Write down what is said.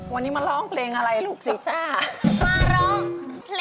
วันนี้มาร้องเพลงอะไรลูกสิ